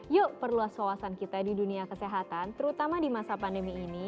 yuk perluas wawasan kita di dunia kesehatan terutama di masa pandemi ini